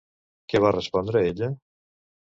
Què va respondre ella?